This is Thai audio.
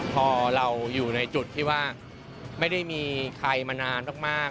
พอเราอยู่ในจุดที่ว่าไม่ได้มีใครมานานมาก